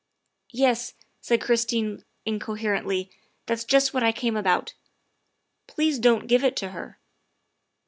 " Yes," said Christine incoherently, " that's just what I came about. Please don 't give it to her.